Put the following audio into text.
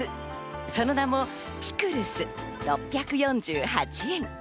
その名もピクル酢、６４８円。